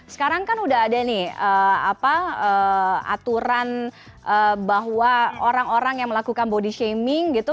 sekarang kan udah ada nih aturan bahwa orang orang yang melakukan body shaming gitu